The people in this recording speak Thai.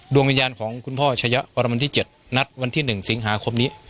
ดวงวิญญาณของคุณพ่อชะยะปรมที่๗นัดวันที่๑สิงหาคมนี้